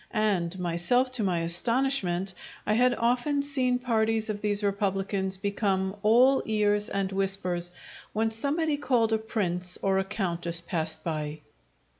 And myself, to my astonishment, I had often seen parties of these republicans become all ears and whispers when somebody called a prince or a countess passed by.